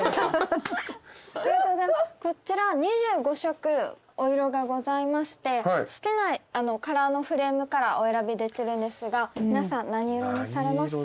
こちら２５色お色がございまして好きなカラーのフレームからお選びできるんですが皆さん何色にされますか？